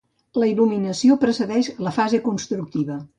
La il·luminació precedeix la fase constructiva.